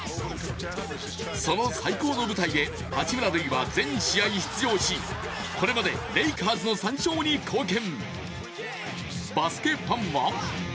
その最高の舞台で八村塁は全試合出場し、これまでレイカーズの３勝に貢献。